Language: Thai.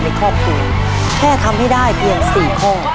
ในครอบครัวแค่ทำให้ได้เพียง๔ข้อ